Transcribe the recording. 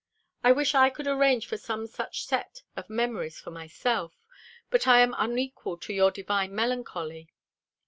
I wish I could arrange for some such set of memories for myself, but I am unequal to your divine melancholy.